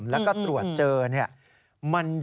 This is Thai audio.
ยอมรับว่าการตรวจสอบเพียงเลขอยไม่สามารถทราบได้ว่าเป็นผลิตภัณฑ์ปลอม